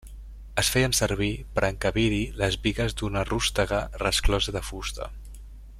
Es feien servir per encabir-hi les bigues d'una rústega resclosa de fusta.